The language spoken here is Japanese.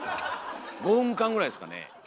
５分間ぐらいですかね